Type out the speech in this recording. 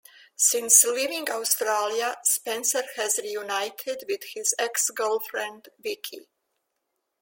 Since living Australia, Spencer has reunited with his ex-girlfriend Vicki.